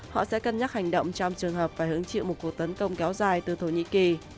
họ sẽ cân nhắc hành động trong trường hợp phải hứng chịu một cuộc tấn công kéo dài từ thổ nhĩ kỳ